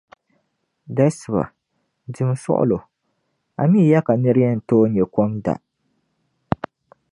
Dasiba. Dim suɣlo, amii ya ka nira yɛn tooi nyɛ kom n da?